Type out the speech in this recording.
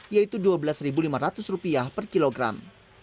yaitu rp dua belas lima ratus per kilogram